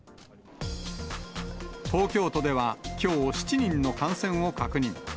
東京都ではきょう、７人の感染を確認。